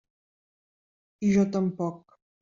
I jo tampoc.